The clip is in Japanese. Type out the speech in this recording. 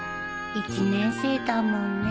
１年生だもんね